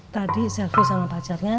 tadi selfie sama pacarnya